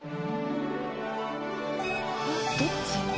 「どっち？」